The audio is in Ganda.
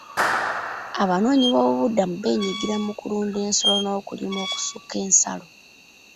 Abanoonyi b'obubudamu beenyigira mu kulunda ensolo n'okulima okusukka nsalo.